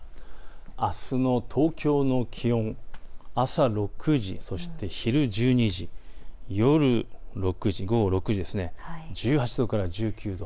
あすの東京の気温、朝６時、そして昼１２時、夜６時、１８度から１９度。